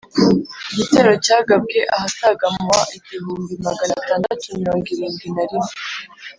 Igitero cyagabwe ahasaga mu wa igihumbi Magana atandatu mirongo irindi na rimwe.